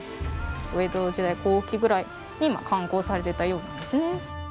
江戸時代後期ぐらいに刊行されていたようなんですね。